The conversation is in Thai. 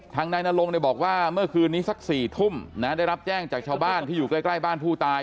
นายนรงค์บอกว่าเมื่อคืนนี้สัก๔ทุ่มได้รับแจ้งจากชาวบ้านที่อยู่ใกล้บ้านผู้ตาย